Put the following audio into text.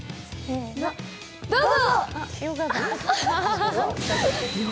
どうぞ！